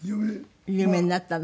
有名になったの？